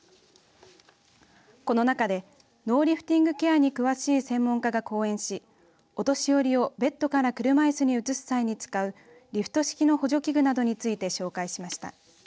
この中でノーリフティングケアに詳しい専門家が講演しお年寄りをベッドから車いすに移す際に使うリフト式の補助器具などについて紹介しました。